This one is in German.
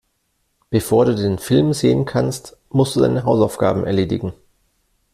Bevor du den Film sehen kannst, musst du deine Hausaufgaben erledigen.